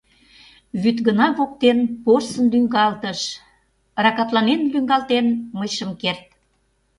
Вӱд гына воктен порсын лӱҥгалтыш — Ракатланен лӱҥгалтен мый шым керт.